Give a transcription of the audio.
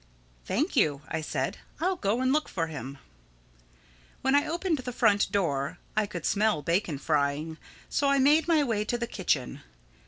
"Thank you," I said. "I'll go and look for him." When I opened the front door I could smell bacon frying, so I made my way to the kitchen.